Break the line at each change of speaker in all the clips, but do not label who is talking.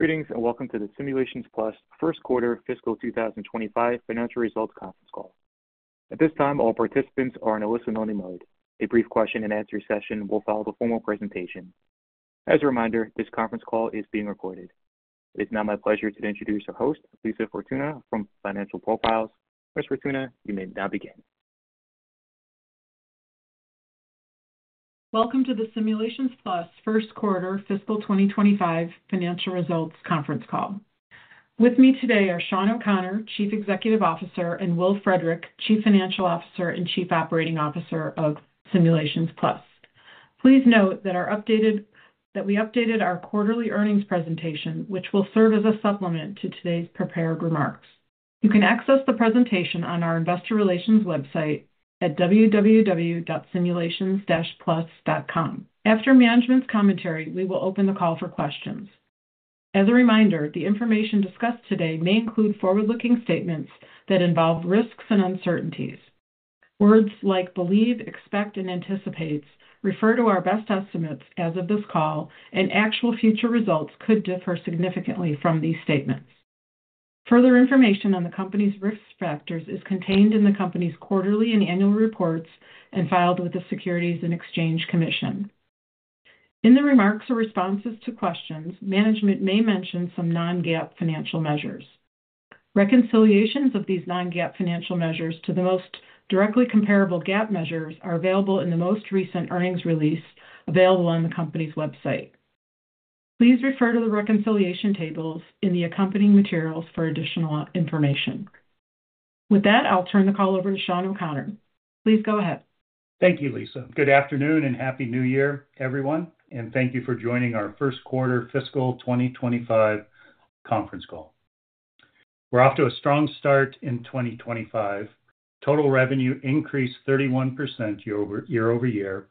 Greetings and welcome to the Simulations Plus first quarter fiscal 2025 financial results conference call. At this time, all participants are on a listen-only mode. A brief question-and-answer session will follow the formal presentation. As a reminder, this conference call is being recorded. It is now my pleasure to introduce our host, Lisa Fortuna from Financial Profiles. Ms. Fortuna, you may now begin.
Welcome to the Simulations Plus first quarter fiscal 2025 financial results conference call. With me today are Shawn O'Connor, Chief Executive Officer, and Will Frederick, Chief Financial Officer and Chief Operating Officer of Simulations Plus. Please note that we updated our quarterly earnings presentation, which will serve as a supplement to today's prepared remarks. You can access the presentation on our Investor Relations website at www.simulationsplus.com. After management's commentary, we will open the call for questions. As a reminder, the information discussed today may include forward-looking statements that involve risks and uncertainties. Words like "believe," "expect," and "anticipate" refer to our best estimates as of this call, and actual future results could differ significantly from these statements. Further information on the company's risk factors is contained in the company's quarterly and annual reports and filed with the Securities and Exchange Commission. In the remarks or responses to questions, management may mention some non-GAAP financial measures. Reconciliations of these non-GAAP financial measures to the most directly comparable GAAP measures are available in the most recent earnings release available on the company's website. Please refer to the reconciliation tables in the accompanying materials for additional information. With that, I'll turn the call over to Shawn O'Connor. Please go ahead.
Thank you, Lisa. Good afternoon and happy New Year, everyone, and thank you for joining our first quarter fiscal 2025 conference call. We're off to a strong start in 2025. Total revenue increased 31% year-over-year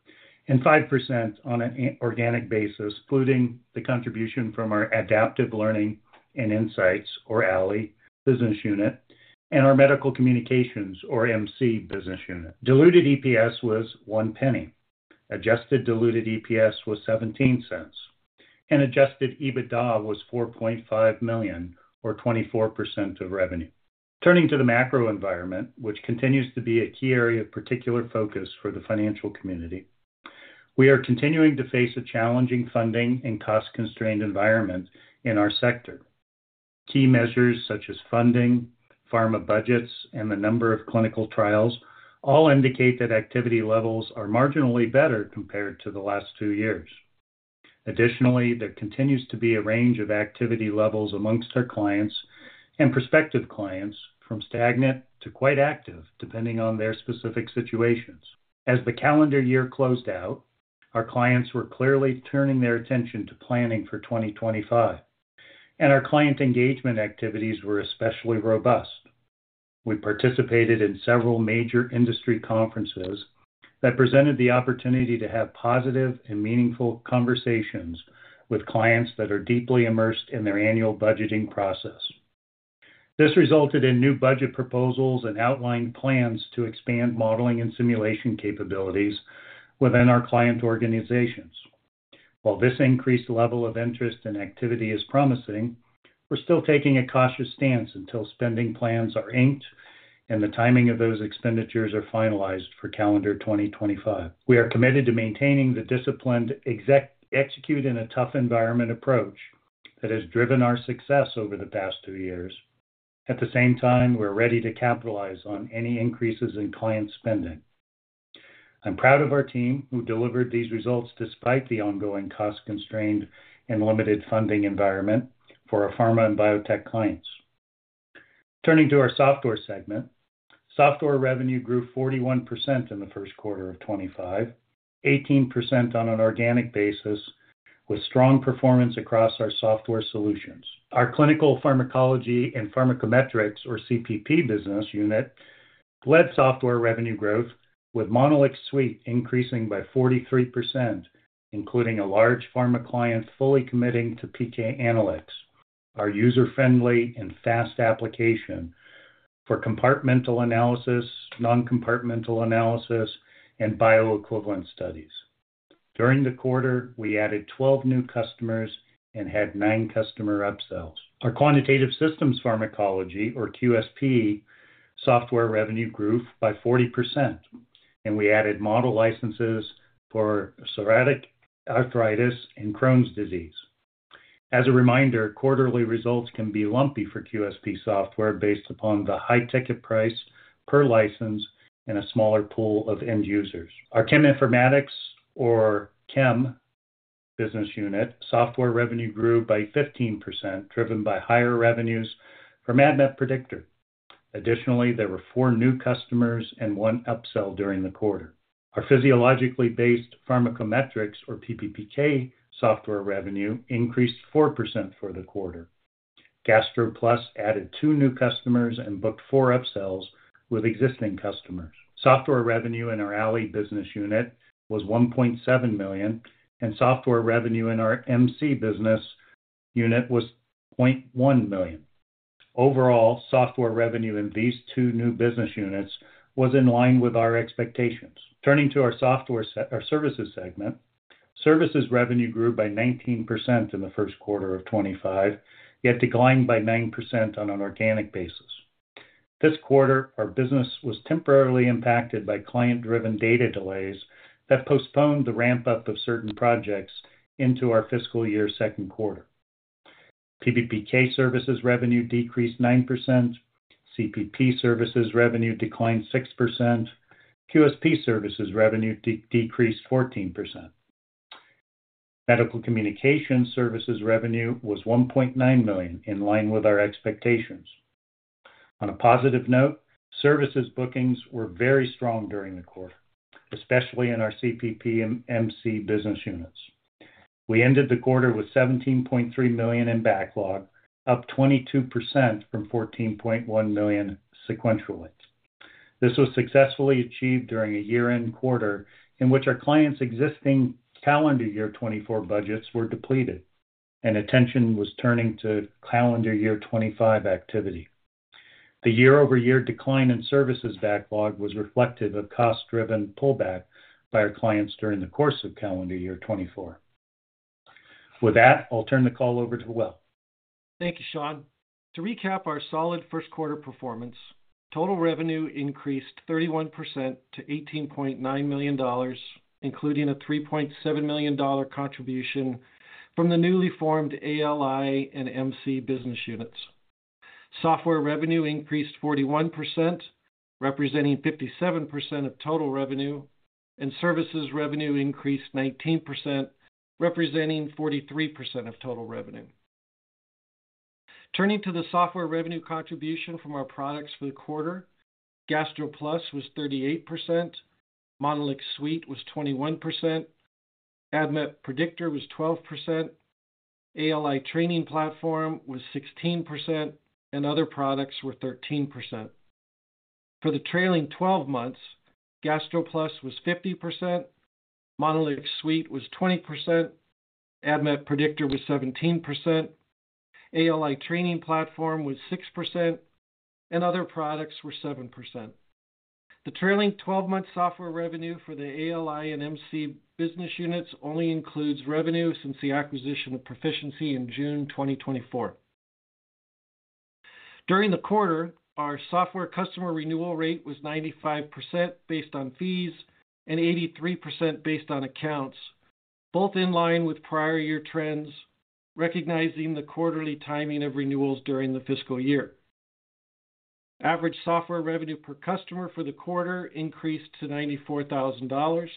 and 5% on an organic basis, including the contribution from our Adaptive Learning & Insights, or ALI, business unit and our Medical Communications, or MC, business unit. Diluted EPS was $0.01. Adjusted Diluted EPS was $0.17, and Adjusted EBITDA was $4.5 million, or 24% of revenue. Turning to the macro environment, which continues to be a key area of particular focus for the financial community, we are continuing to face a challenging funding and cost-constrained environment in our sector. Key measures such as funding, pharma budgets, and the number of clinical trials all indicate that activity levels are marginally better compared to the last two years. Additionally, there continues to be a range of activity levels amongst our clients and prospective clients, from stagnant to quite active, depending on their specific situations. As the calendar year closed out, our clients were clearly turning their attention to planning for 2025, and our client engagement activities were especially robust. We participated in several major industry conferences that presented the opportunity to have positive and meaningful conversations with clients that are deeply immersed in their annual budgeting process. This resulted in new budget proposals and outlined plans to expand modeling and simulation capabilities within our client organizations. While this increased level of interest and activity is promising, we're still taking a cautious stance until spending plans are inked and the timing of those expenditures are finalized for calendar 2025. We are committed to maintaining the disciplined "execute in a tough environment" approach that has driven our success over the past two years. At the same time, we're ready to capitalize on any increases in client spending. I'm proud of our team who delivered these results despite the ongoing cost-constrained and limited funding environment for our pharma and biotech clients. Turning to our software segment, software revenue grew 41% in the first quarter of 2025, 18% on an organic basis, with strong performance across our software solutions. Our Clinical Pharmacology & Pharmacometrics, or CPP, business unit led software revenue growth, with MonolixSuite increasing by 43%, including a large pharma client fully committing to PK Analytics, our user-friendly and fast application for compartmental analysis, non-compartmental analysis, and bioequivalence studies. During the quarter, we added 12 new customers and had nine customer upsells. Our Quantitative Systems Pharmacology, or QSP, software revenue grew by 40%, and we added model licenses for psoriatic arthritis and Crohn's disease. As a reminder, quarterly results can be lumpy for QSP software based upon the high ticket price per license and a smaller pool of end users. Our Cheminformatics, or Chem business unit, software revenue grew by 15%, driven by higher revenues from ADMET Predictor. Additionally, there were four new customers and one upsell during the quarter. Our Physiologically Based Pharmacokinetics, or PBPK, software revenue increased 4% for the quarter. GastroPlus added two new customers and booked four upsells with existing customers. Software revenue in our ALI business unit was $1.7 million, and software revenue in our MC business unit was $0.1 million. Overall, software revenue in these two new business units was in line with our expectations. Turning to our services segment, services revenue grew by 19% in the first quarter of 2025, yet declined by 9% on an organic basis. This quarter, our business was temporarily impacted by client-driven data delays that postponed the ramp-up of certain projects into our fiscal year second quarter. PBPK services revenue decreased 9%. CPP services revenue declined 6%. QSP services revenue decreased 14%. Medical Communications services revenue was $1.9 million, in line with our expectations. On a positive note, services bookings were very strong during the quarter, especially in our CPP and MC business units. We ended the quarter with $17.3 million in backlog, up 22% from $14.1 million sequentially. This was successfully achieved during a year-end quarter in which our clients' existing calendar year 2024 budgets were depleted, and attention was turning to calendar year 2025 activity. The year-over-year decline in services backlog was reflective of cost-driven pullback by our clients during the course of calendar year 2024. With that, I'll turn the call over to Will.
Thank you, Shawn. To recap our solid first quarter performance, total revenue increased 31% to $18.9 million, including a $3.7 million contribution from the newly formed ALI and MC business units. Software revenue increased 41%, representing 57% of total revenue, and services revenue increased 19%, representing 43% of total revenue. Turning to the software revenue contribution from our products for the quarter, GastroPlus was 38%, MonolixSuite was 21%, ADMET Predictor was 12%, ALI training platform was 16%, and other products were 13%. For the trailing 12 months, GastroPlus was 50%, MonolixSuite was 20%, ADMET Predictor was 17%, ALI training platform was 6%, and other products were 7%. The trailing 12-month software revenue for the ALI and MC business units only includes revenue since the acquisition of Pro-ficiency in June 2024. During the quarter, our software customer renewal rate was 95% based on fees and 83% based on accounts, both in line with prior year trends, recognizing the quarterly timing of renewals during the fiscal year. Average software revenue per customer for the quarter increased to $94,000.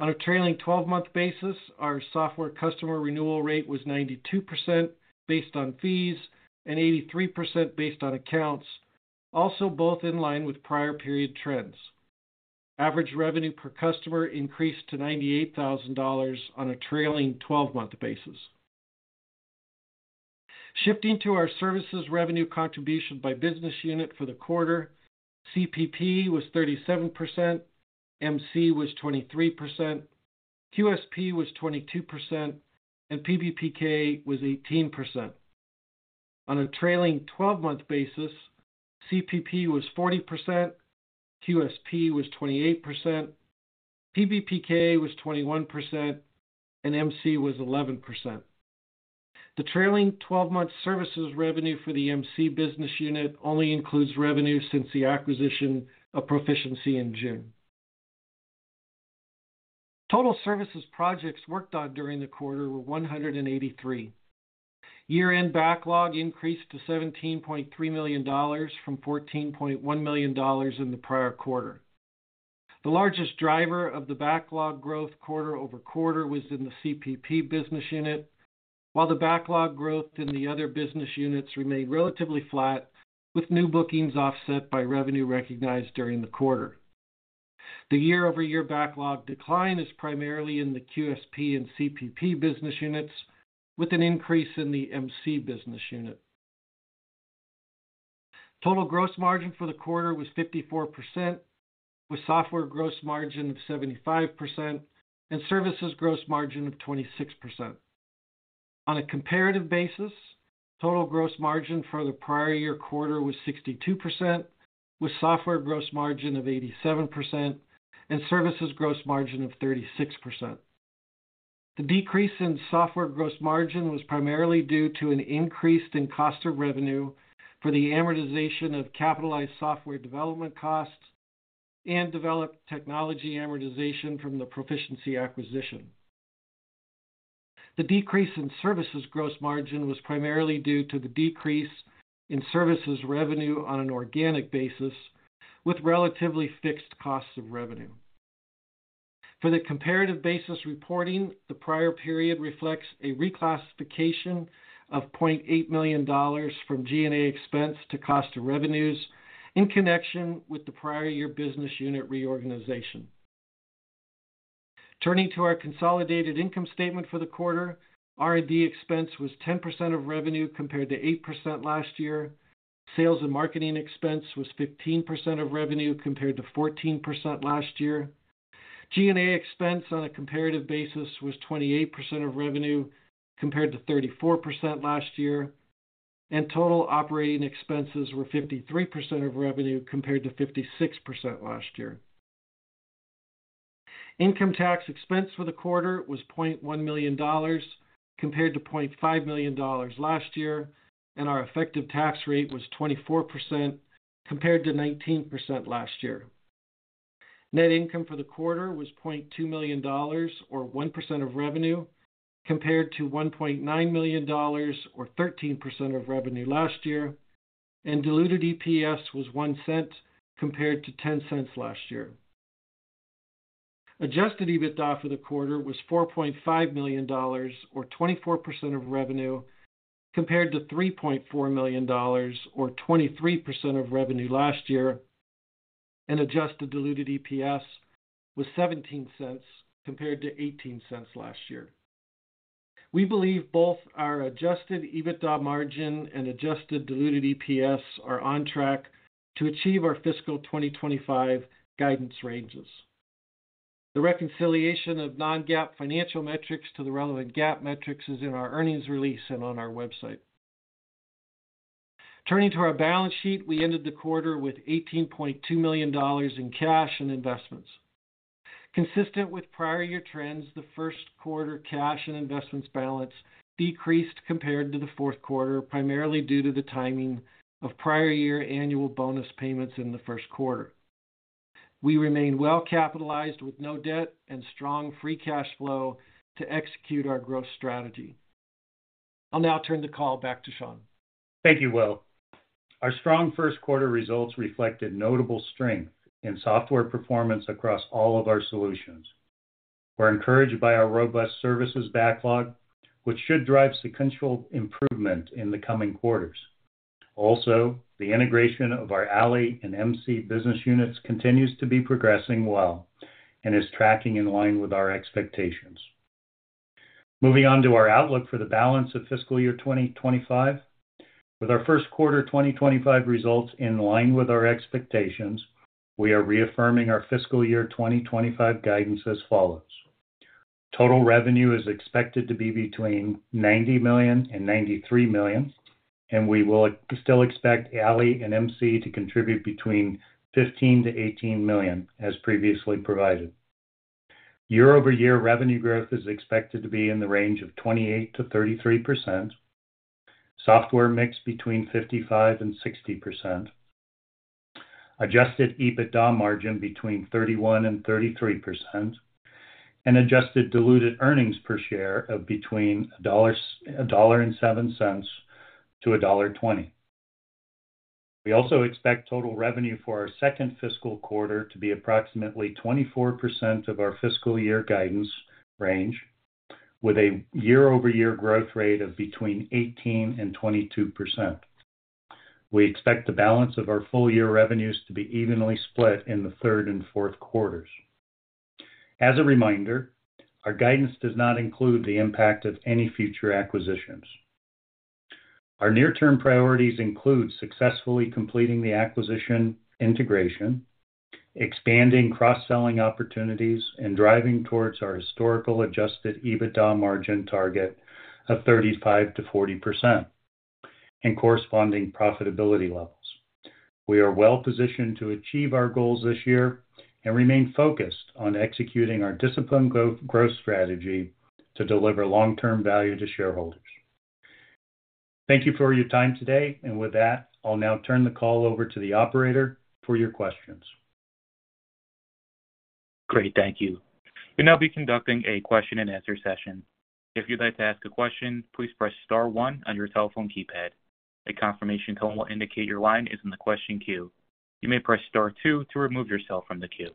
On a trailing 12-month basis, our software customer renewal rate was 92% based on fees and 83% based on accounts, also both in line with prior period trends. Average revenue per customer increased to $98,000 on a trailing 12-month basis. Shifting to our services revenue contribution by business unit for the quarter, CPP was 37%, MC was 23%, QSP was 22%, and PBPK was 18%. On a trailing 12-month basis, CPP was 40%, QSP was 28%, PBPK was 21%, and MC was 11%. The trailing 12-month services revenue for the MC business unit only includes revenue since the acquisition of Pro-ficiency in June. Total services projects worked on during the quarter were 183. Year-end backlog increased to $17.3 million from $14.1 million in the prior quarter. The largest driver of the backlog growth quarter-over-quarter was in the CPP business unit, while the backlog growth in the other business units remained relatively flat, with new bookings offset by revenue recognized during the quarter. The year-over-year backlog decline is primarily in the QSP and CPP business units, with an increase in the MC business unit. Total gross margin for the quarter was 54%, with software gross margin of 75% and services gross margin of 26%. On a comparative basis, total gross margin for the prior year quarter was 62%, with software gross margin of 87% and services gross margin of 36%. The decrease in software gross margin was primarily due to an increase in cost of revenue for the amortization of capitalized software development costs and developed technology amortization from the Pro-ficiency acquisition. The decrease in services gross margin was primarily due to the decrease in services revenue on an organic basis, with relatively fixed costs of revenue. For the comparative basis reporting, the prior period reflects a reclassification of $0.8 million from G&A expense to cost of revenues in connection with the prior year business unit reorganization. Turning to our consolidated income statement for the quarter, R&D expense was 10% of revenue compared to 8% last year. Sales and marketing expense was 15% of revenue compared to 14% last year. G&A expense on a comparative basis was 28% of revenue compared to 34% last year, and total operating expenses were 53% of revenue compared to 56% last year. Income tax expense for the quarter was $0.1 million compared to $0.5 million last year, and our effective tax rate was 24% compared to 19% last year. Net income for the quarter was $0.2 million, or 1% of revenue, compared to $1.9 million, or 13% of revenue last year, and diluted EPS was $0.01 compared to $0.10 last year. Adjusted EBITDA for the quarter was $4.5 million, or 24% of revenue, compared to $3.4 million, or 23% of revenue last year, and adjusted diluted EPS was $0.17 compared to $0.18 last year. We believe both our Adjusted EBITDA margin and adjusted diluted EPS are on track to achieve our fiscal 2025 guidance ranges. The reconciliation of non-GAAP financial metrics to the relevant GAAP metrics is in our earnings release and on our website. Turning to our balance sheet, we ended the quarter with $18.2 million in cash and investments. Consistent with prior year trends, the first quarter cash and investments balance decreased compared to the fourth quarter, primarily due to the timing of prior year annual bonus payments in the first quarter. We remained well capitalized with no debt and strong free cash flow to execute our growth strategy. I'll now turn the call back to Shawn.
Thank you, Will. Our strong first quarter results reflected notable strength in software performance across all of our solutions. We're encouraged by our robust services backlog, which should drive sequential improvement in the coming quarters. Also, the integration of our ALI and MC business units continues to be progressing well and is tracking in line with our expectations. Moving on to our outlook for the balance of fiscal year 2025. With our first quarter 2025 results in line with our expectations, we are reaffirming our fiscal year 2025 guidance as follows. Total revenue is expected to be between $90 million-$93 million, and we will still expect ALI and MC to contribute between $15 million-$18 million, as previously provided. Year-over-year revenue growth is expected to be in the range of 28%-33%, software mix between 55% and 60%, Adjusted EBITDA margin between 31% and 33%, and adjusted diluted earnings per share of between $1.07-$1.20. We also expect total revenue for our second fiscal quarter to be approximately 24% of our fiscal year guidance range, with a year-over-year growth rate of between 18% and 22%. We expect the balance of our full year revenues to be evenly split in the third and fourth quarters. As a reminder, our guidance does not include the impact of any future acquisitions. Our near-term priorities include successfully completing the acquisition integration, expanding cross-selling opportunities, and driving towards our historical Adjusted EBITDA margin target of 35%-40% and corresponding profitability levels. We are well positioned to achieve our goals this year and remain focused on executing our disciplined growth strategy to deliver long-term value to shareholders. Thank you for your time today, and with that, I'll now turn the call over to the operator for your questions.
Great, thank you. We'll now be conducting a question-and-answer session. If you'd like to ask a question, please press star one on your telephone keypad. A confirmation tone will indicate your line is in the question queue. You may press star two to remove yourself from the queue.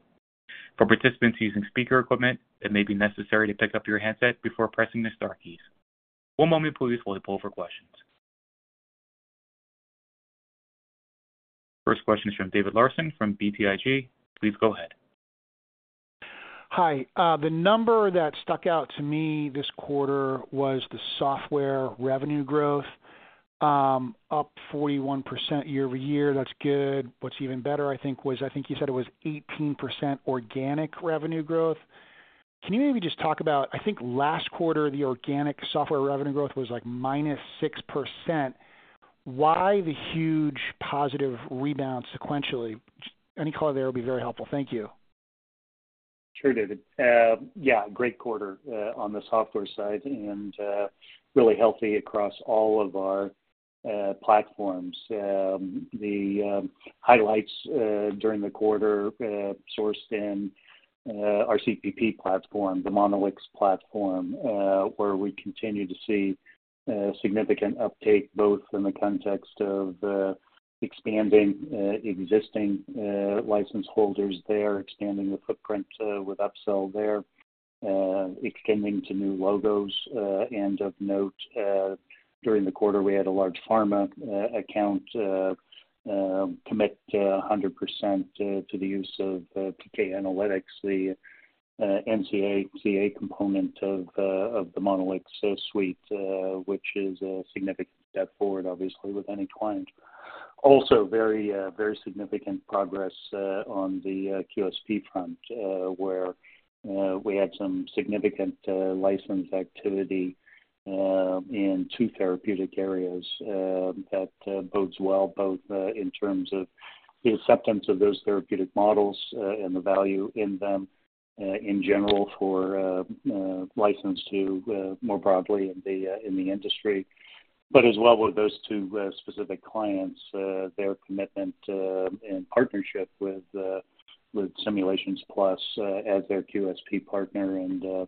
For participants using speaker equipment, it may be necessary to pick up your handset before pressing the star keys. One moment, please, while we pull up for questions. First question is from David Larsen from BTIG. Please go ahead.
Hi. The number that stuck out to me this quarter was the software revenue growth, up 41% year-over-year. That's good. What's even better, I think, was I think you said it was 18% organic revenue growth. Can you maybe just talk about, I think, last quarter, the organic software revenue growth was like -6%? Why the huge positive rebound sequentially? Any color there would be very helpful. Thank you.
Sure, David. Yeah, great quarter on the software side and really healthy across all of our platforms. The highlights during the quarter sourced in our CPP platform, the Monolix Platform, where we continue to see significant uptake, both in the context of expanding existing license holders there, expanding the footprint with upsell there, extending to new logos. And of note, during the quarter, we had a large pharma account commit 100% to the use of PK Analytics, the NCA component of the MonolixSuite, which is a significant step forward, obviously, with any client. Also, very significant progress on the QSP front, where we had some significant license activity in two therapeutic areas that bodes well, both in terms of the acceptance of those therapeutic models and the value in them in general for license to more broadly in the industry. But as well with those two specific clients, their commitment and partnership with Simulations Plus as their QSP partner, and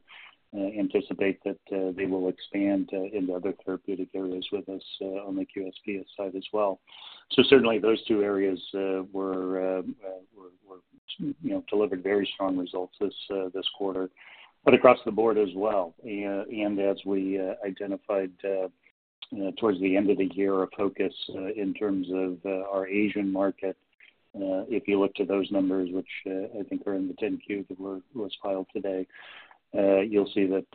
anticipate that they will expand into other therapeutic areas with us on the QSP side as well. So certainly, those two areas delivered very strong results this quarter, but across the board as well. And as we identified towards the end of the year, our focus in terms of our Asian market. If you look to those numbers, which I think are in the 10-Q that was filed today, you'll see that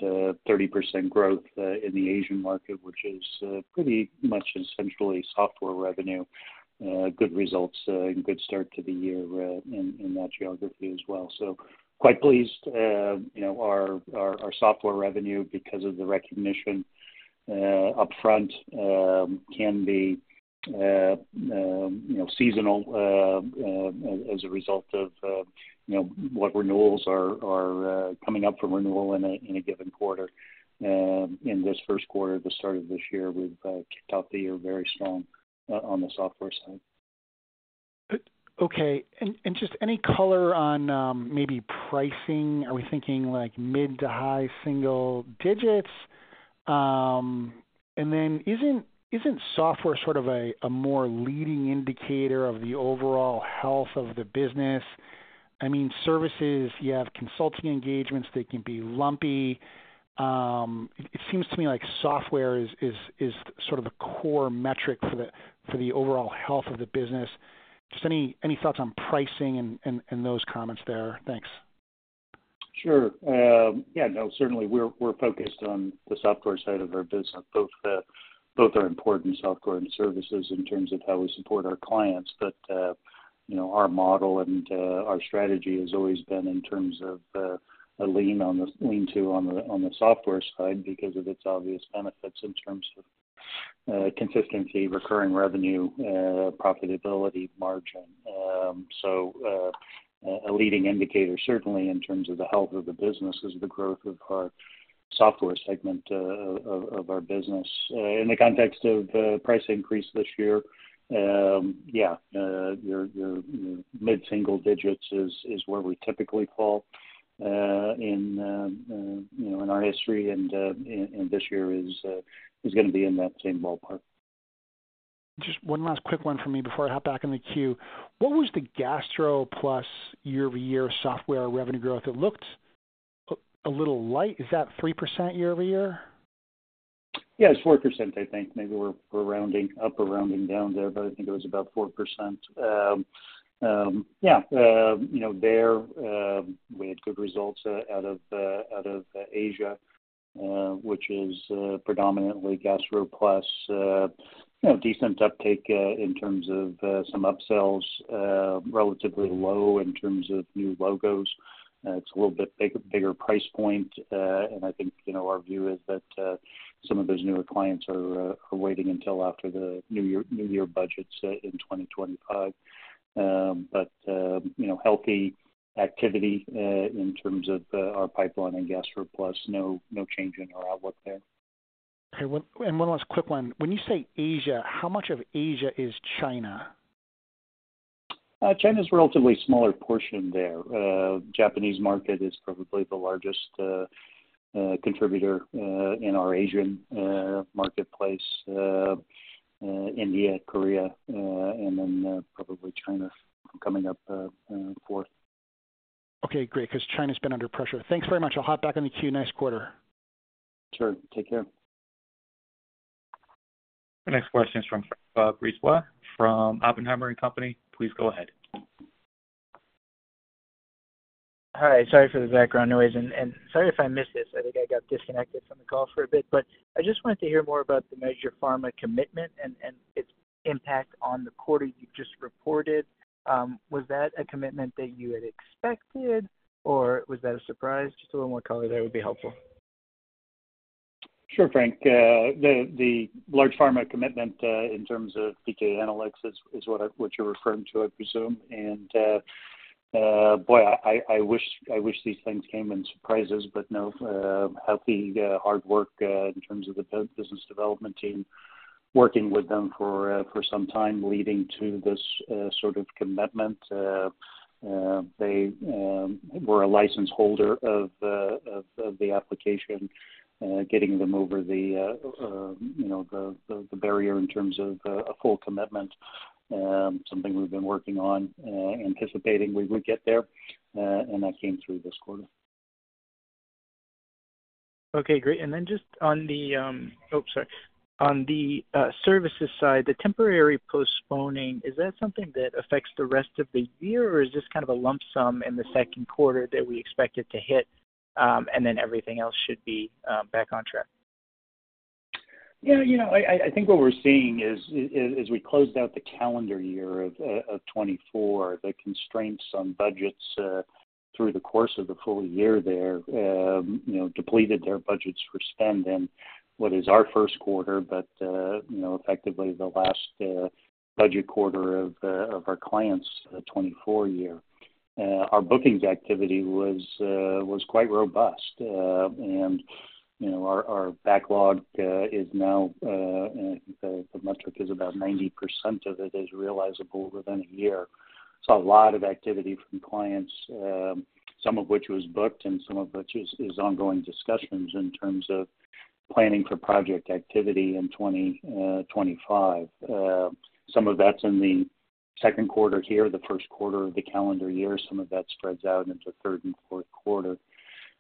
30% growth in the Asian market, which is pretty much essentially software revenue, good results and good start to the year in that geography as well. So quite pleased. Our software revenue, because of the recognition upfront, can be seasonal as a result of what renewals are coming up for renewal in a given quarter. In this first quarter, the start of this year, we've kicked off the year very strong on the software side.
Okay. And just any color on maybe pricing? Are we thinking like mid to high single digits? And then isn't software sort of a more leading indicator of the overall health of the business? I mean, services, you have consulting engagements that can be lumpy. It seems to me like software is sort of a core metric for the overall health of the business. Just any thoughts on pricing and those comments there? Thanks.
Sure. Yeah, no, certainly, we're focused on the software side of our business. Both are important software and services in terms of how we support our clients. But our model and our strategy has always been in terms of a lean to on the software side because of its obvious benefits in terms of consistency, recurring revenue, profitability, margin. So a leading indicator, certainly, in terms of the health of the business is the growth of our software segment of our business. In the context of price increase this year, yeah, your mid-single digits is where we typically fall in our history, and this year is going to be in that same ballpark.
Just one last quick one from me before I hop back in the queue. What was the GastroPlus year-over-year software revenue growth? It looked a little light. Is that 3% year-over-year?
Yeah, it's 4%, I think. Maybe we're rounding up or rounding down there, but I think it was about 4%. Yeah, there, we had good results out of Asia, which is predominantly GastroPlus. Decent uptake in terms of some upsells, relatively low in terms of new logos. It's a little bit bigger price point, and I think our view is that some of those newer clients are waiting until after the new year budgets in 2025. But healthy activity in terms of our pipeline and GastroPlus. No change in our outlook there.
One last quick one. When you say Asia, how much of Asia is China?
China is a relatively smaller portion there. Japanese market is probably the largest contributor in our Asian marketplace. India, Korea, and then probably China coming up fourth.
Okay, great, because China's been under pressure. Thanks very much. I'll hop back in the queue next quarter.
Sure. Take care.
Next question is from Matt Biegler from Oppenheimer & Company. Please go ahead.
Hi. Sorry for the background noise, and sorry if I missed this. I think I got disconnected from the call for a bit. But I just wanted to hear more about the major pharma commitment and its impact on the quarter you just reported. Was that a commitment that you had expected, or was that a surprise? Just a little more color there would be helpful.
Sure, Bob. The large pharma commitment in terms of PK Analytics is what you're referring to, I presume. And boy, I wish these things came in surprises, but no. Healthy hard work in terms of the business development team, working with them for some time leading to this sort of commitment. They were a license holder of the application, getting them over the barrier in terms of a full commitment, something we've been working on, anticipating we would get there, and that came through this quarter.
Okay, great. And then just on the, oh, sorry, on the services side, the temporary postponing, is that something that affects the rest of the year, or is this kind of a lump sum in the second quarter that we expect it to hit, and then everything else should be back on track?
Yeah, I think what we're seeing is, as we closed out the calendar year of 2024, the constraints on budgets through the course of the full year there depleted their budgets for spend in what is our first quarter, but effectively the last budget quarter of our client's 2024 year. Our bookings activity was quite robust, and our backlog is now, the metric is about 90% of it is realizable within a year. So a lot of activity from clients, some of which was booked and some of which is ongoing discussions in terms of planning for project activity in 2025. Some of that's in the second quarter here, the first quarter of the calendar year. Some of that spreads out into third and fourth quarter.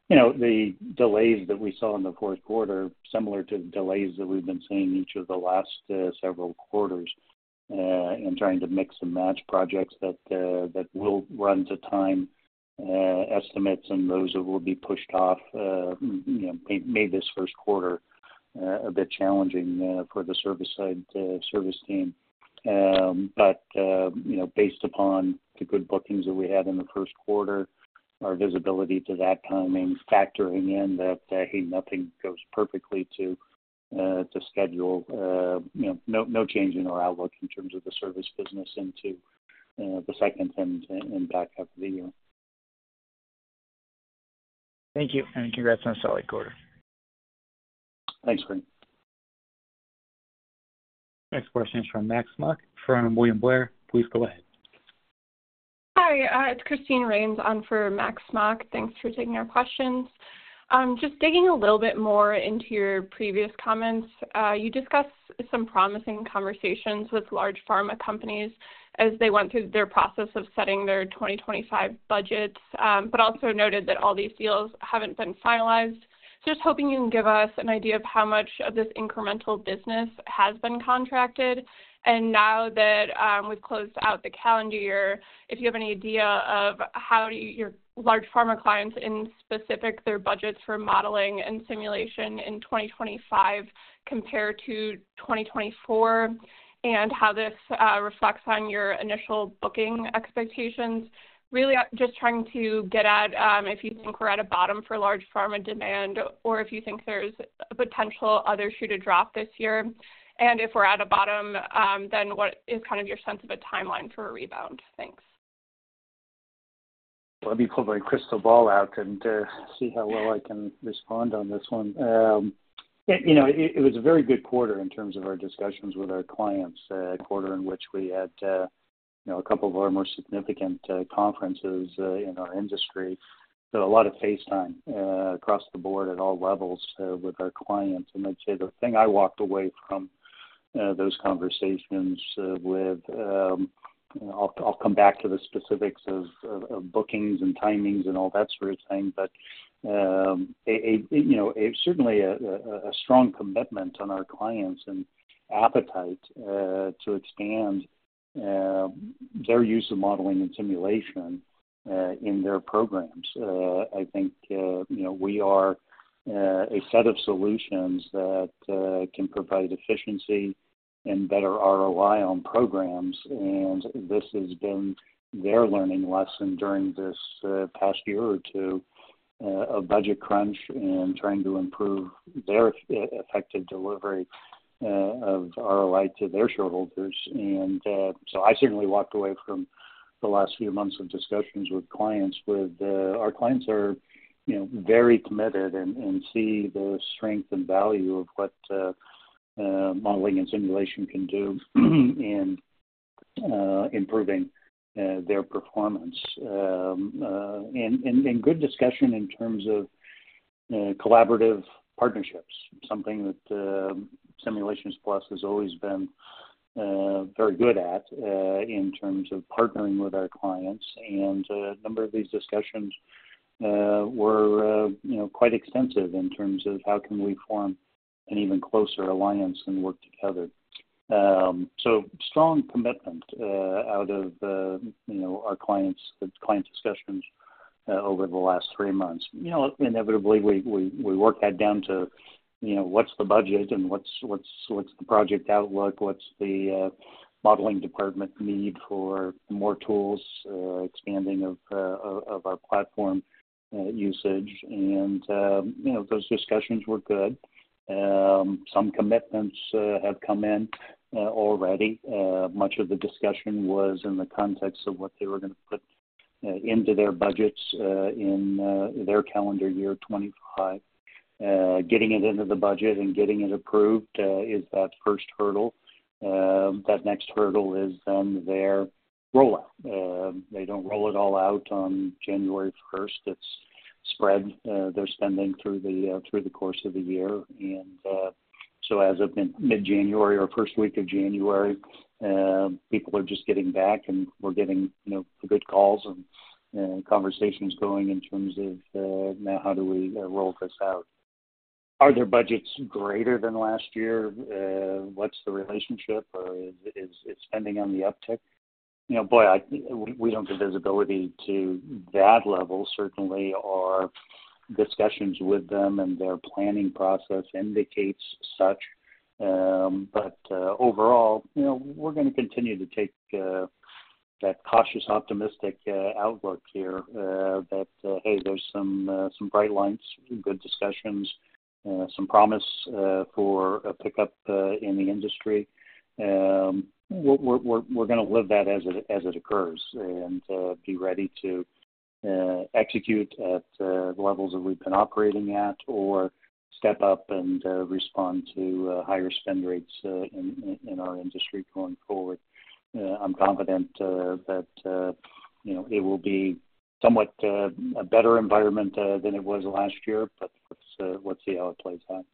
The delays that we saw in the fourth quarter are similar to the delays that we've been seeing each of the last several quarters in trying to mix and match projects that will run to time estimates, and those that will be pushed off, made this first quarter a bit challenging for the service side service team. But based upon the good bookings that we had in the first quarter, our visibility to that timing, factoring in that, hey, nothing goes perfectly to schedule, no change in our outlook in terms of the service business into the second and back half of the year.
Thank you and congrats on the solid quarter.
Thanks, Bob.
Next question is from Max Smock from William Blair. Please go ahead.
Hi. It's Christine Raines on for Max Smock. Thanks for taking our questions. Just digging a little bit more into your previous comments, you discussed some promising conversations with large pharma companies as they went through their process of setting their 2025 budgets, but also noted that all these deals haven't been finalized. So just hoping you can give us an idea of how much of this incremental business has been contracted. And now that we've closed out the calendar year, if you have any idea of how your large pharma clients in specific, their budgets for modeling and simulation in 2025 compare to 2024, and how this reflects on your initial booking expectations, really just trying to get at if you think we're at a bottom for large pharma demand, or if you think there's a potential other shoe to drop this year. If we're at a bottom, then what is kind of your sense of a timeline for a rebound? Thanks.
Let me pull my crystal ball out and see how well I can respond on this one. It was a very good quarter in terms of our discussions with our clients, a quarter in which we had a couple of our more significant conferences in our industry, so a lot of face time across the board at all levels with our clients, and I'd say the thing I walked away from those conversations with, I'll come back to the specifics of bookings and timings and all that sort of thing, but certainly a strong commitment from our clients and appetite to expand their use of modeling and simulation in their programs. I think we are a set of solutions that can provide efficiency and better ROI on programs. And this has been their learning lesson during this past year or two of budget crunch and trying to improve their effective delivery of ROI to their shareholders. And so I certainly walked away from the last few months of discussions with clients. Our clients are very committed and see the strength and value of what modeling and simulation can do in improving their performance. And good discussion in terms of collaborative partnerships, something that Simulations Plus has always been very good at in terms of partnering with our clients. And a number of these discussions were quite extensive in terms of how can we form an even closer alliance and work together. So strong commitment out of our clients' discussions over the last three months. Inevitably, we worked that down to what's the budget and what's the project outlook, what's the modeling department need for more tools, expanding of our platform usage, and those discussions were good. Some commitments have come in already. Much of the discussion was in the context of what they were going to put into their budgets in their calendar year 2025. Getting it into the budget and getting it approved is that first hurdle. That next hurdle is then their rollout. They don't roll it all out on January 1st. It's spread their spending through the course of the year. And so as of mid-January or first week of January, people are just getting back, and we're getting good calls and conversations going in terms of now how do we roll this out? Are their budgets greater than last year? What's the relationship? Or is it spending on the uptick? Boy, we don't get visibility to that level. Certainly, our discussions with them and their planning process indicate such. But overall, we're going to continue to take that cautious, optimistic outlook here that, hey, there's some bright lines, good discussions, some promise for a pickup in the industry. We're going to live that as it occurs and be ready to execute at the levels that we've been operating at or step up and respond to higher spend rates in our industry going forward. I'm confident that it will be somewhat a better environment than it was last year, but let's see how it plays out.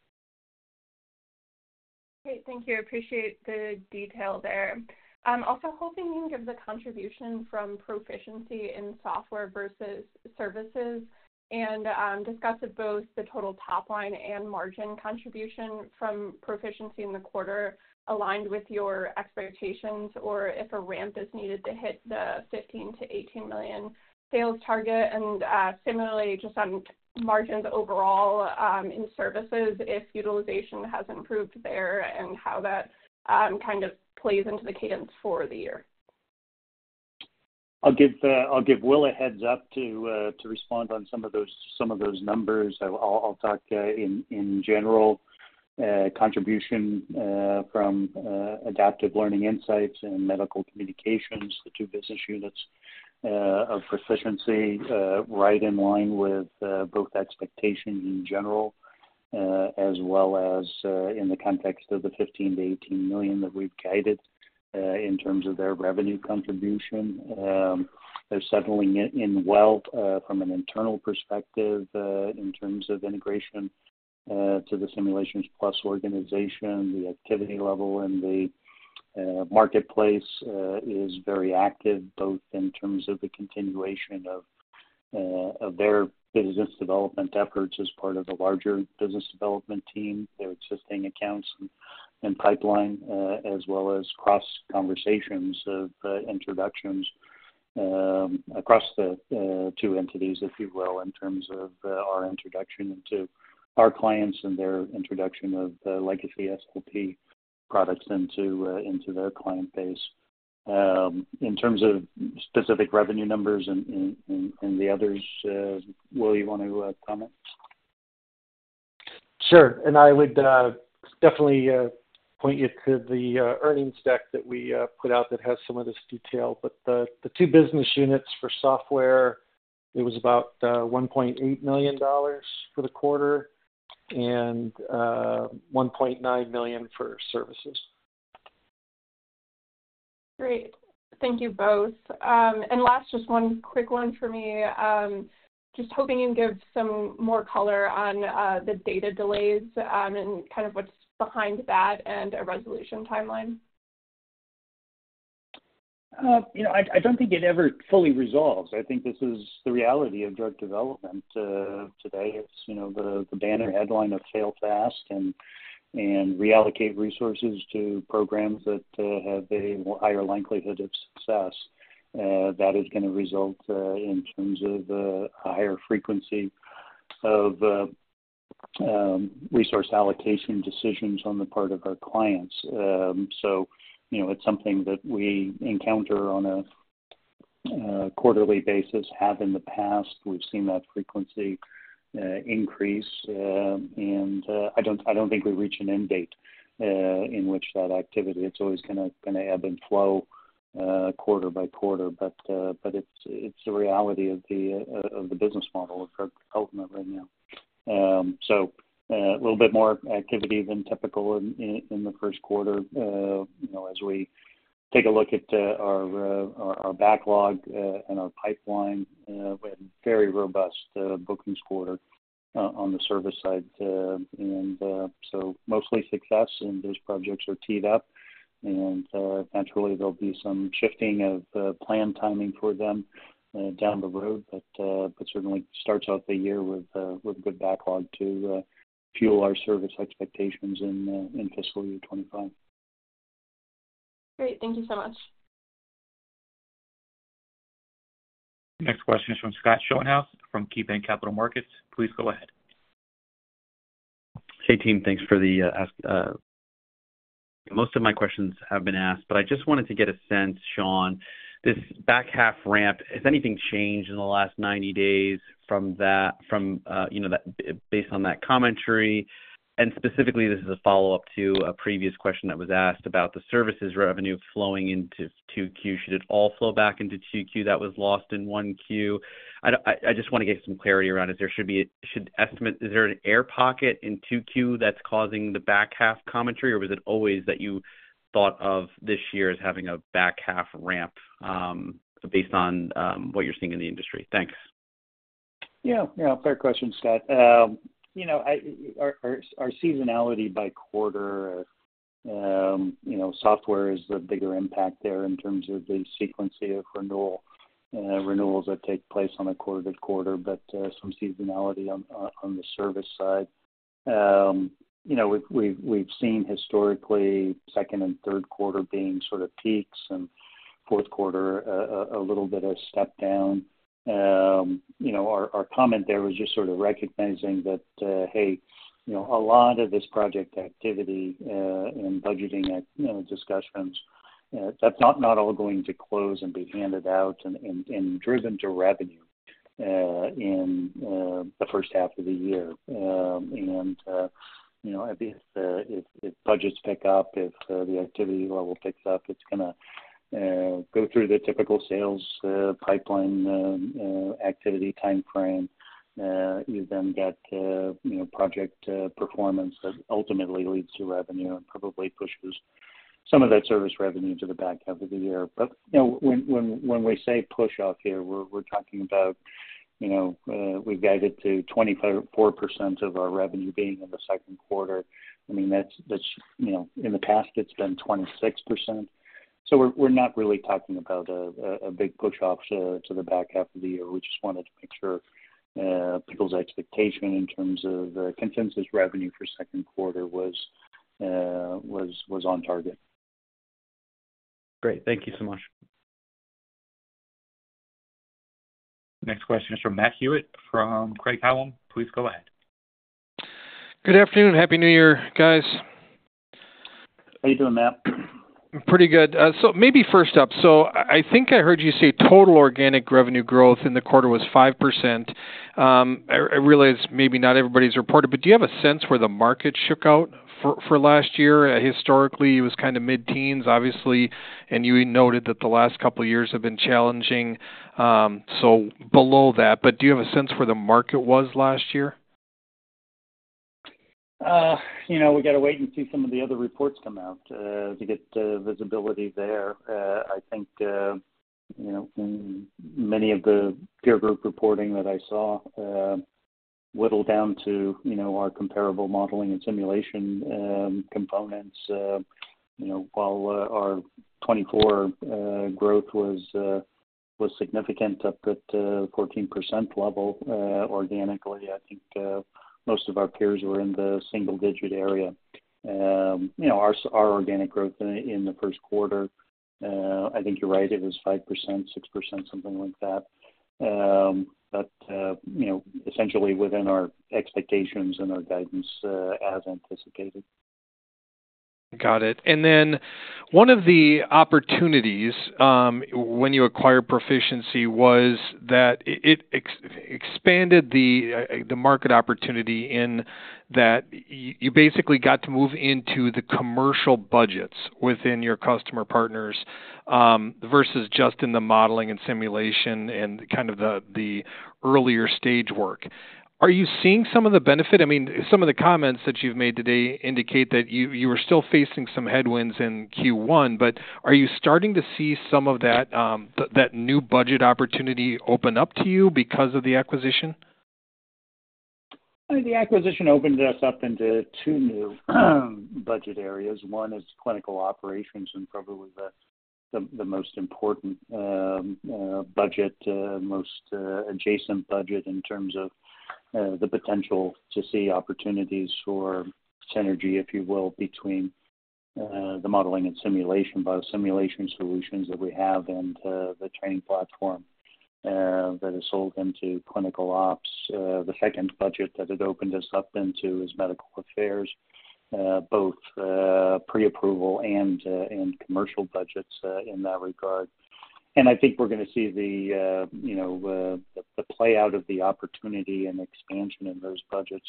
Great. Thank you. I appreciate the detail there. Also hoping you can give the contribution from Pro-ficiency in software versus services and discuss both the total top line and margin contribution from Pro-ficiency in the quarter aligned with your expectations or if a ramp is needed to hit the $15 million-$18 million sales target. And similarly, just on margins overall in services, if utilization has improved there and how that kind of plays into the cadence for the year.
I'll give Will a heads-up to respond on some of those numbers. I'll talk in general. Contribution from Adaptive Learning & Insights and Medical Communications, the two business units of Pro-ficiency, right in line with both expectations in general, as well as in the context of the $15 million-$18 million that we've guided in terms of their revenue contribution. They're settling in well from an internal perspective in terms of integration to the Simulations Plus organization. The activity level in the marketplace is very active, both in terms of the continuation of their business development efforts as part of the larger business development team, their existing accounts and pipeline, as well as cross conversations of introductions across the two entities, if you will, in terms of our introduction to our clients and their introduction of legacy SLP products into their client base. In terms of specific revenue numbers and the others, Will, you want to comment?
Sure. And I would definitely point you to the earnings deck that we put out that has some of this detail. But the two business units for software, it was about $1.8 million for the quarter and $1.9 million for services.
Great. Thank you both. And last, just one quick one for me. Just hoping you can give some more color on the data delays and kind of what's behind that and a resolution timeline.
I don't think it ever fully resolves. I think this is the reality of drug development today. It's the banner headline of fail fast and reallocate resources to programs that have a higher likelihood of success. That is going to result in terms of a higher frequency of resource allocation decisions on the part of our clients. So it's something that we encounter on a quarterly basis. In the past, we've seen that frequency increase. And I don't think we reach an end date in which that activity, it's always going to ebb and flow quarter by quarter, but it's the reality of the business model of drug development right now. So a little bit more activity than typical in the first quarter as we take a look at our backlog and our pipeline. We had a very robust bookings quarter on the service side. And so mostly success, and those projects are teed up. And naturally, there'll be some shifting of planned timing for them down the road, but certainly starts off the year with good backlog to fuel our service expectations in fiscal year 2025.
Great. Thank you so much.
Next question is from Scott Schoenhaus from KeyBanc Capital Markets. Please go ahead.
Hey, team. Thanks for the ask. Most of my questions have been asked, but I just wanted to get a sense, Shawn, this back half ramp, has anything changed in the last 90 days from that based on that commentary? And specifically, this is a follow-up to a previous question that was asked about the services revenue flowing into 2Q. Should it all flow back into 2Q that was lost in 1Q? I just want to get some clarity around it. Is there an air pocket in 2Q that's causing the back half commentary, or was it always that you thought of this year as having a back half ramp based on what you're seeing in the industry? Thanks.
Yeah. Yeah. Fair question, Scott. Our seasonality by quarter, software is the bigger impact there in terms of the sequence of renewals that take place on a quarter-to-quarter, but some seasonality on the service side. We've seen historically second and third quarter being sort of peaks and fourth quarter a little bit of a step down. Our comment there was just sort of recognizing that, hey, a lot of this project activity and budgeting discussions, that's not all going to close and be handed out and driven to revenue in the first half of the year. And if budgets pick up, if the activity level picks up, it's going to go through the typical sales pipeline activity timeframe. You've then got project performance that ultimately leads to revenue and probably pushes some of that service revenue to the back half of the year. but when we say push off here, we're talking about we've guided to 24% of our revenue being in the second quarter. I mean, in the past, it's been 26%. So we're not really talking about a big push off to the back half of the year. We just wanted to make sure people's expectation in terms of consensus revenue for second quarter was on target. Great. Thank you so much.
Next question is from Matt Hewitt from Craig-Hallum. Please go ahead.
Good afternoon. Happy New Year, guys.
How you doing, Matt?
Pretty good. So maybe first up, so I think I heard you say total organic revenue growth in the quarter was 5%. I realize maybe not everybody's reported, but do you have a sense where the market shook out for last year? Historically, it was kind of mid-teens, obviously, and you noted that the last couple of years have been challenging, so below that. But do you have a sense where the market was last year?
We got to wait and see some of the other reports come out to get visibility there. I think many of the peer group reporting that I saw whittled down to our comparable modeling and simulation components. While our 2024 growth was significant up at 14% level organically, I think most of our peers were in the single-digit area. Our organic growth in the first quarter, I think you're right, it was 5%, 6%, something like that. But essentially within our expectations and our guidance as anticipated.
Got it. And then one of the opportunities when you acquired Pro-ficiency was that it expanded the market opportunity in that you basically got to move into the commercial budgets within your customer partners versus just in the modeling and simulation and kind of the earlier stage work. Are you seeing some of the benefit? I mean, some of the comments that you've made today indicate that you were still facing some headwinds in Q1, but are you starting to see some of that new budget opportunity open up to you because of the acquisition?
The acquisition opened us up into two new budget areas. One is clinical operations and probably the most important budget, most adjacent budget in terms of the potential to see opportunities for synergy, if you will, between the modeling and simulation, biosimulation solutions that we have and the training platform that is sold into clinical ops. The second budget that it opened us up into is medical affairs, both pre-approval and commercial budgets in that regard. And I think we're going to see the play out of the opportunity and expansion in those budgets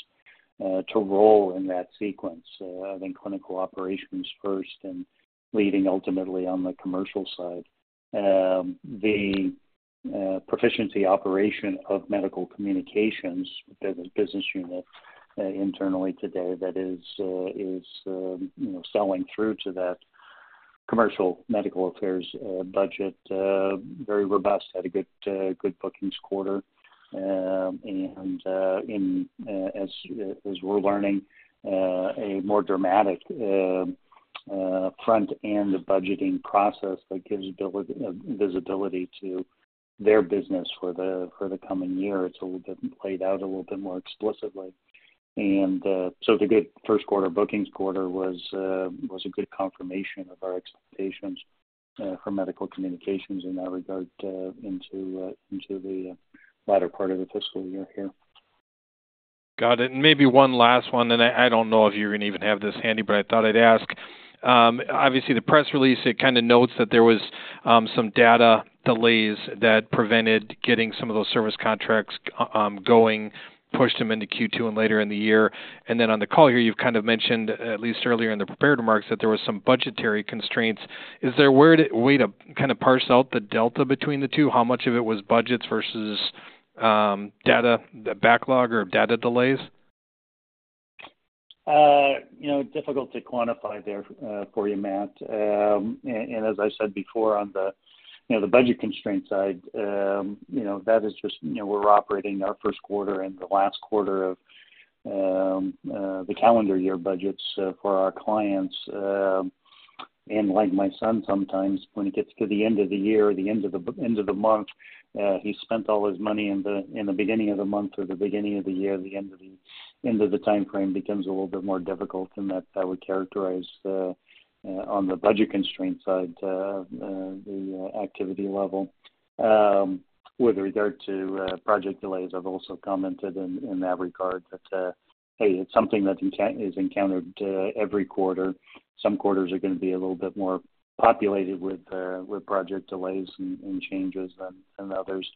to roll in that sequence. I think clinical operations first and leading ultimately on the commercial side. The Pro-ficiency operation of medical communications, business unit internally today that is selling through to that commercial medical affairs budget, very robust, had a good bookings quarter. As we're learning, a more dramatic front-end budgeting process that gives visibility to their business for the coming year. It's laid out a little bit more explicitly. So the good first quarter bookings quarter was a good confirmation of our expectations for Medical Communications in that regard into the latter part of the fiscal year here.
Got it. And maybe one last one, and I don't know if you're going to even have this handy, but I thought I'd ask. Obviously, the press release, it kind of notes that there was some data delays that prevented getting some of those service contracts going, pushed them into Q2 and later in the year. And then on the call here, you've kind of mentioned, at least earlier in the prepared remarks, that there were some budgetary constraints. Is there a way to kind of parse out the delta between the two? How much of it was budgets versus data, backlog, or data delays?
Difficult to quantify there for you, Matt. And as I said before on the budget constraint side, that is just we're operating our first quarter and the last quarter of the calendar year budgets for our clients. And like my son, sometimes when he gets to the end of the year or the end of the month, he spent all his money in the beginning of the month or the beginning of the year, the end of the timeframe becomes a little bit more difficult than that. I would characterize on the budget constraint side, the activity level. With regard to project delays, I've also commented in that regard that, hey, it's something that is encountered every quarter. Some quarters are going to be a little bit more populated with project delays and changes than others.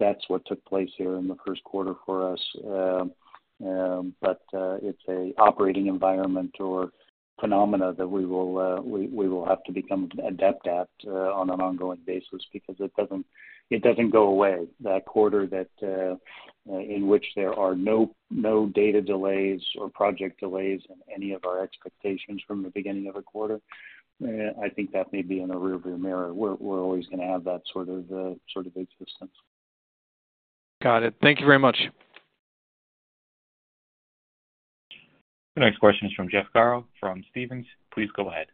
That's what took place here in the first quarter for us. But it's an operating environment or phenomenon that we will have to become adept at on an ongoing basis because it doesn't go away. That quarter in which there are no data delays or project delays in any of our expectations from the beginning of a quarter, I think that may be in a rearview mirror. We're always going to have that sort of existence.
Got it. Thank you very much.
Next question is from Jeff Garro from Stephens. Please go ahead.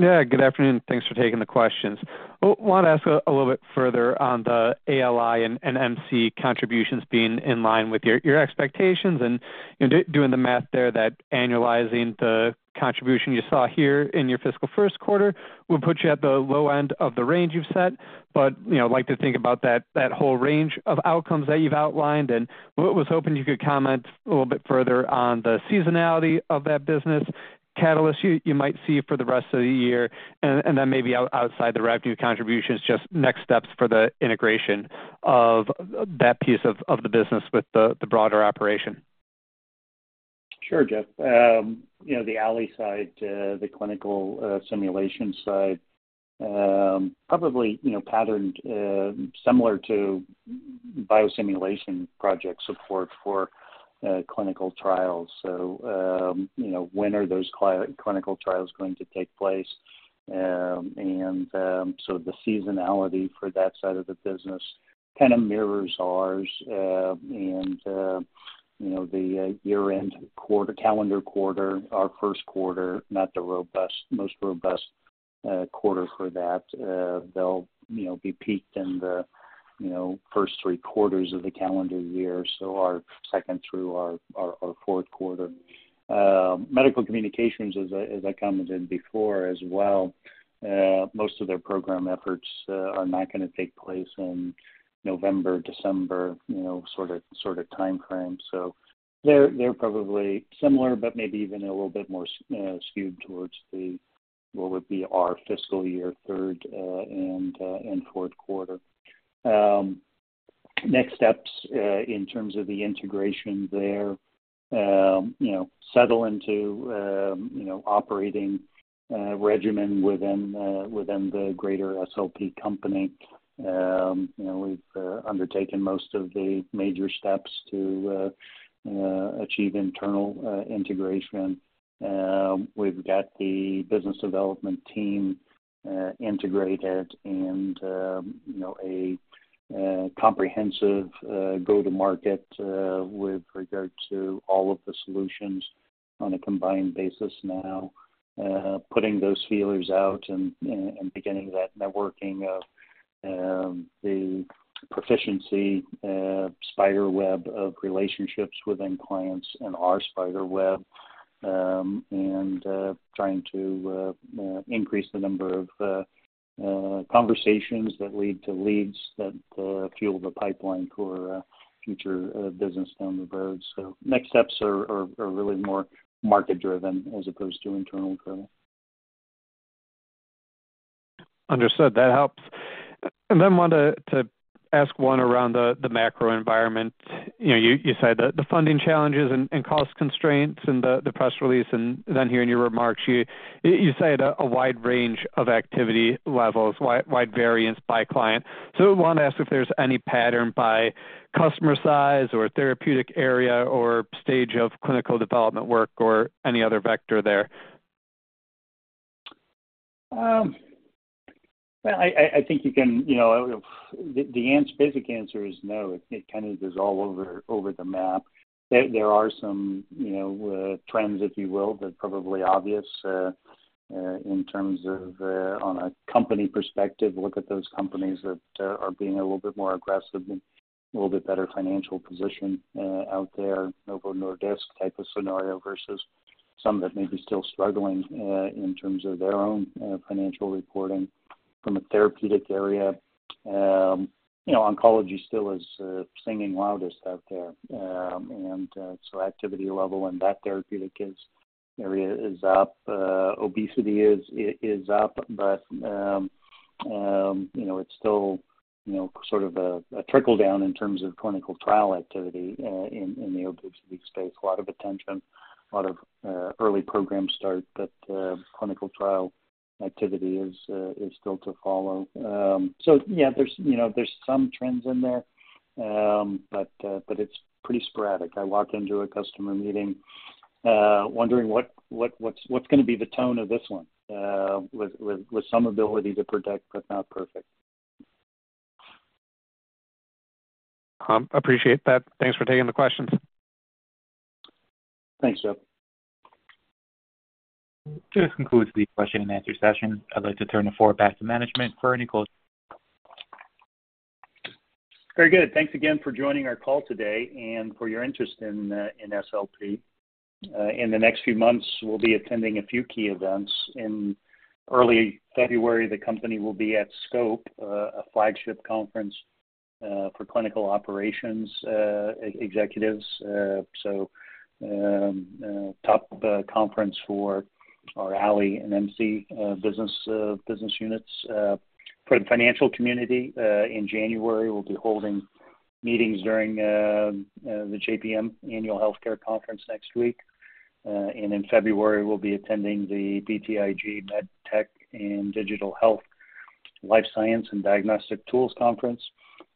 Yeah. Good afternoon. Thanks for taking the questions. I want to ask a little bit further on the ALI and MC contributions being in line with your expectations and doing the math there that annualizing the contribution you saw here in your fiscal first quarter would put you at the low end of the range you've set. But I'd like to think about that whole range of outcomes that you've outlined. And I was hoping you could comment a little bit further on the seasonality of that business catalyst you might see for the rest of the year. And then maybe outside the revenue contributions, just next steps for the integration of that piece of the business with the broader operation.
Sure, Jeff. The ALI side, the clinical simulation side, probably patterned similar to biosimulation project support for clinical trials. So when are those clinical trials going to take place, and so the seasonality for that side of the business kind of mirrors ours, and the year-end quarter, calendar quarter, our first quarter, not the most robust quarter for that. They'll be peaked in the first three quarters of the calendar year, so our second through our fourth quarter. Medical Communications, as I commented before as well, most of their program efforts are not going to take place in November, December sort of timeframe, so they're probably similar, but maybe even a little bit more skewed towards what would be our fiscal year third and fourth quarter. Next steps in terms of the integration there settle into operating regimen within the greater SLP company. We've undertaken most of the major steps to achieve internal integration. We've got the business development team integrated and a comprehensive go-to-market with regard to all of the solutions on a combined basis now, putting those feelers out and beginning that networking of the Pro-ficiency spider web of relationships within clients and our spider web, and trying to increase the number of conversations that lead to leads that fuel the pipeline for future business down the road, so next steps are really more market-driven as opposed to internal-driven.
Understood. That helps. And then wanted to ask one around the macro environment. You said the funding challenges and cost constraints and the press release. And then here in your remarks, you cited a wide range of activity levels, wide variance by client. So I want to ask if there's any pattern by customer size or therapeutic area or stage of clinical development work or any other vector there?
I think the basic answer is no. It kind of is all over the map. There are some trends, if you will, that are probably obvious in terms of on a company perspective. Look at those companies that are being a little bit more aggressive and a little bit better financial position out there, Novo Nordisk type of scenario versus some that may be still struggling in terms of their own financial reporting from a therapeutic area. Oncology still is singing loudest out there, and so activity level in that therapeutic area is up. Obesity is up, but it's still sort of a trickle-down in terms of clinical trial activity in the obesity space. A lot of attention, a lot of early program start, but clinical trial activity is still to follow, so yeah, there's some trends in there, but it's pretty sporadic. I walked into a customer meeting wondering what's going to be the tone of this one with some ability to predict, but not perfect.
Appreciate that. Thanks for taking the questions.
Thanks, Jeff.
This concludes the question-and-answer session. I'd like to turn the floor back to management for any close.
Very good. Thanks again for joining our call today and for your interest in SLP. In the next few months, we'll be attending a few key events. In early February, the company will be at SCOPE, a flagship conference for clinical operations executives, the top conference for our ALI and MC business units. For the financial community, in January, we'll be holding meetings during the JPM Annual Healthcare Conference next week, and in February, we'll be attending the BTIG MedTech and Digital Health, Life Science & Diagnostic Tools Conference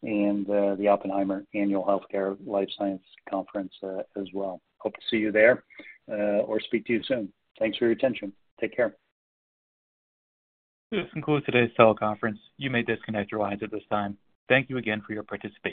and the Oppenheimer Annual Healthcare Life Science Conference as well. Hope to see you there or speak to you soon. Thanks for your attention. Take care.
This concludes today's teleconference. You may disconnect your lines at this time. Thank you again for your participation.